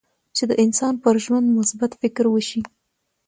چې د انسان پر ژوند مثبت فکر وشي.